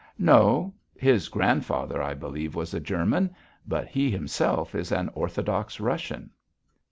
"No. His grandfather, I believe, was a German, but he himself is an Orthodox Russian."